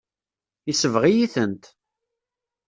Yesbeɣ-iyi-tent.